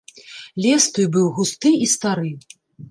Лес той быў густы і стары.